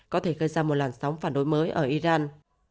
có thể gây ra một làn sóng phản đối mới ở iran